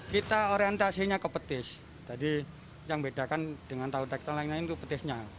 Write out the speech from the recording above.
kita orientasinya ke petis jadi yang bedakan dengan tahu tekton lain lain itu petisnya